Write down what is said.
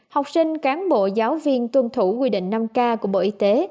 học sinh cán bộ giáo viên tuân thủ quy định năm k của bộ y tế